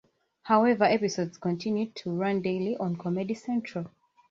However, episodes continue to run daily on Comedy Central.